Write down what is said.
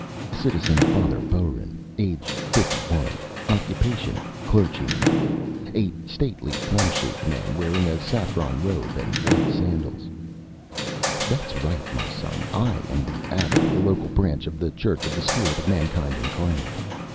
(_Citizen Father Boeren, age 51, occupation clergyman. A stately, plum shaped man wearing a saffron robe and white sandals._) "That's right, my son, I am the abbot of the local branch of the Church of the Spirit of Mankind Incarnate.